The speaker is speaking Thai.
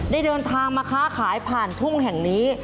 ได้เดินทางมาค้าขายผ่านทุ่งแห่งนี้